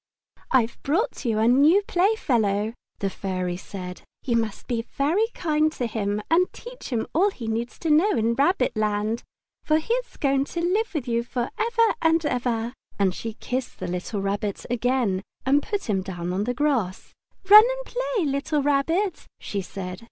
"I've brought you a new playfellow," the Fairy said. "You must be very kind to him and teach him all he needs to know in Rabbit land, for he is going to live with you for ever and ever!" And she kissed the little Rabbit again and put him down on the grass. "Run and play, little Rabbit!" she said.